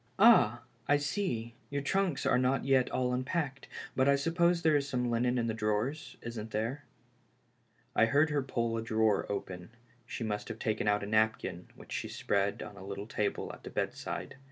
Ah, I see, your trunks are not yet all unpacked, but I suppose there is some linen in the drawers — isn't there ?" I heard her pull a drawer open ; she must have taken out a napkin which she spread on the little table at the bedside.